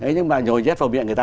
nhưng mà nhồi nhét vào miệng người ta